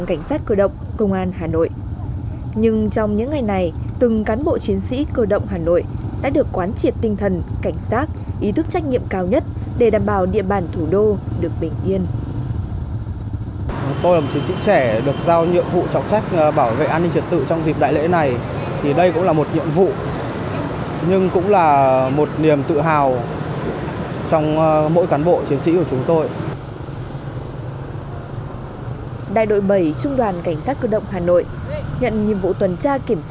cảnh sát cơ động công an tp hà nội đã tăng cường công tác tuần tra đêm đấu tranh chấn áp các loại tội phạm